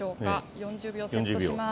４０秒、セットします。